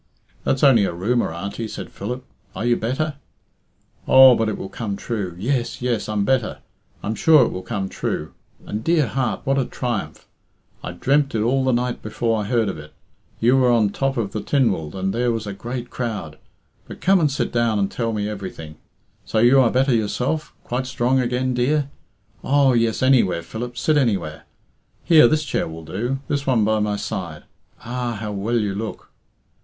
"That's only a rumour, Auntie," said Philip. "Are you better?" "Oh, but it will come true. Yes, yes, I'm better. I'm sure it will come true. And, dear heart, what a triumph! I dreamt it all the night before I heard of it. You were on the top of the Tynwald, and there was a great crowd. But come and sit down and tell me everything. So you are better yourself? Quite strong again, dear? Oh, yes, any where, Philip sit anywhere. Here, this chair will do this one by my side. Ah! How well you look!"